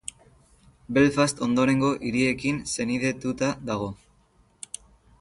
Belfast ondorengo hiriekin senidetuta dago.